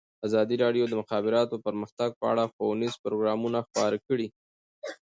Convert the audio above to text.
ازادي راډیو د د مخابراتو پرمختګ په اړه ښوونیز پروګرامونه خپاره کړي.